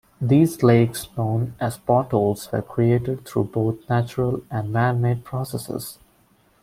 These lakes, known as "potholes" were created through both natural and man made processes.